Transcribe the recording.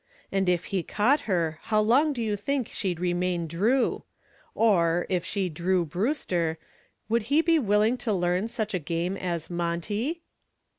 And if he caught her, how long do you think she'd remain Drew? Or, if she Drew Brewster, would she be willing to learn such a game as Monte?"